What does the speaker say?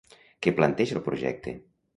Què planteja el projecte?